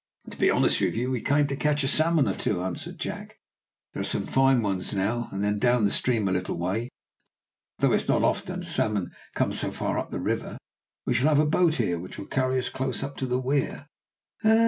"To be honest with you, we came out to catch a salmon or two," answered Jack. "There are some fine ones now and then down the stream a little way, though it is not often salmon come so far up the river. We shall have a boat here, which will carry us close up to the weir."